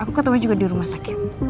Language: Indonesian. aku ketemu dia juga di rumah sakit